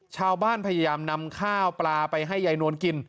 ชาวบ้านพยายามนำข้าวปลาไปให้ใยนวลกิน